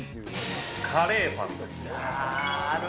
カレーパンです。